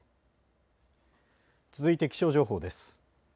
続いて気象情報です。